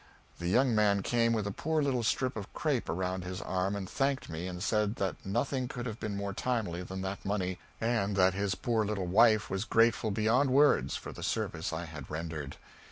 The young man came with a poor little strip of crape around his arm and thanked me, and said that nothing could have been more timely than that money, and that his poor little wife was grateful beyond words for the service I had rendered.